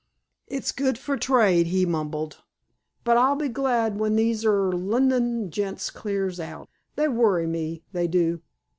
"It's good for trade," he mumbled, "but I'll be glad when these 'ere Lunnon gents clears out. They worry me, they do.